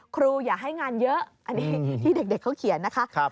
ครูอย่าให้งานเยอะ